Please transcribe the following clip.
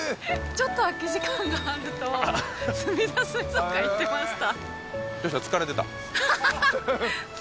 ちょっと空き時間があるとすみだ水族館行ってました